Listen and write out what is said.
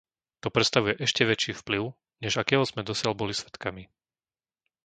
To predstavuje ešte väčší vplyv, než akého sme dosiaľ boli svedkami.